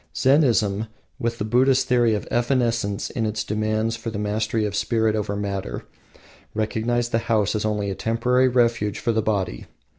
Zennism, with the Buddhist theory of evanescence and its demands for the mastery of spirit over matter, recognized the house only as a temporary refuge for the body.